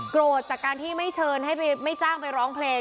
โกรธจากการที่ไม่เชิญให้ไม่จ้างไปร้องเพลง